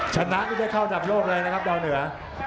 ชนะนี่ได้เข้าดับโลกเลยนะครับดาวเหนือ